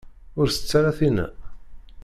Ur tett ara tinna.